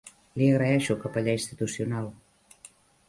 Li agraeixo, capellà institucional.